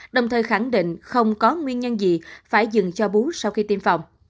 đồng thời khẳng định không có nguyên nhân gì phải dừng cho bú sau khi tiêm phòng